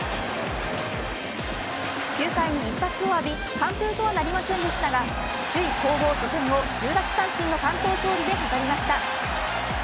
９回に一発を浴び完封とはなりませんでしたが首位攻防初戦を１０奪三振の完投勝利で飾りました。